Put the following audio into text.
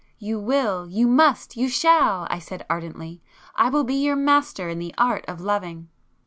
"You will, you must, you shall!" I said ardently. "I will be your master in the art of loving!"